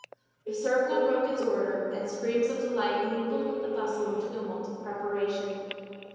The circle broke its order, and screams of delight mingled with the bustle and tumult of preparation.